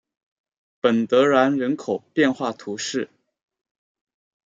本德然人口变化图示